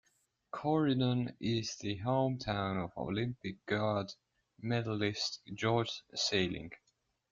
Corydon is the hometown of Olympic gold medalist George Saling.